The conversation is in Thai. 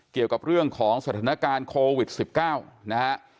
เกี่ยวกับเรื่องของสถานการณ์โควิด๑๙นะฮะ